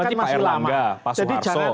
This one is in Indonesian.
dari dalam berarti pak erlangga pak suharto